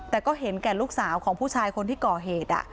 แต่ก็เห็นแก่ลูกสาวของผู้ชายคนที่ก่อเหตุ